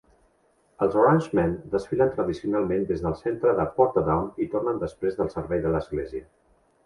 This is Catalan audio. Els Orangemen desfilen tradicionalment des del centre de Portadown i tornen després del servei de l'església.